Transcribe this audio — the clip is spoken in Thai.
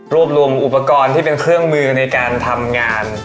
รวมอุปกรณ์ที่เป็นเครื่องมือในการทำงาน